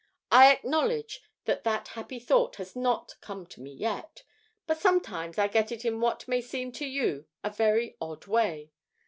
I acknowledge that that happy thought has not come to me yet, but sometimes I get it in what may seem to you a very odd way.